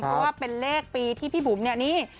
เพราะว่าเป็นเลขปีที่พี่บุ๋มเนี่ยนี่